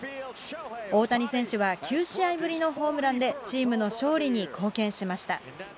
大谷選手は９試合ぶりのホームランで、チームの勝利に貢献しました。